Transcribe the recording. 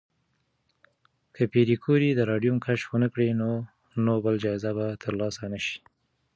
که پېیر کوري د راډیوم کشف ونکړي، نو نوبل جایزه به ترلاسه نه شي.